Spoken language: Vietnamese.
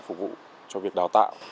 phục vụ cho việc đào tạo